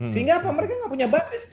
sehingga apa mereka nggak punya basis